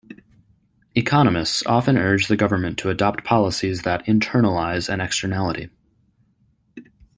Economists often urge the government to adopt policies that "internalize" an externality.